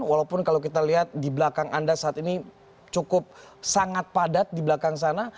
walaupun kalau kita lihat di belakang anda saat ini cukup sangat padat di belakang sana